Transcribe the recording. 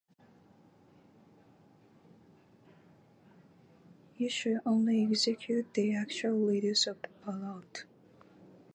You should only execute the actual leaders of the plot.